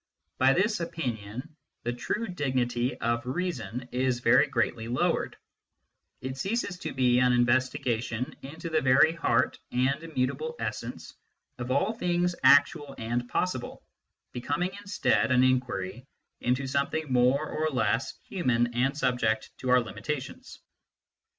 By this opinion the true dignity of reason is very greatly lowered : it ceases to be an investigation into the very heart ana immutable essence of all things actual and possible, be coming, instead, an inquiry into something more or less human and subject to our limitations.